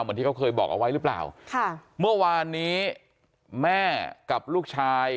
เหมือนที่เขาเคยบอกเอาไว้หรือเปล่าค่ะเมื่อวานนี้แม่กับลูกชาย